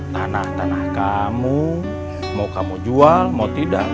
tanah tanah kamu mau kamu jual mau tidak